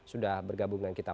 sudah bergabung dengan kita